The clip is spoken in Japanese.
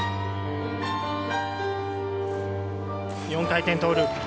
４回転トーループ。